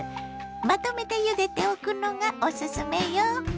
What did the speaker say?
まとめてゆでておくのがおすすめよ。